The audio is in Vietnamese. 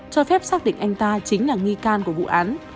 cho phép xác định anh ta chính là nghi can của vụ án